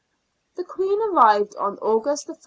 The Queen arrived on August 14.